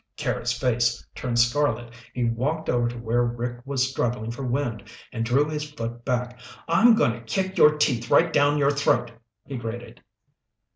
Carrots' face turned scarlet. He walked over to where Rick was struggling for wind and drew his foot back. "I'm goin' to kick your teeth right down your throat," he grated.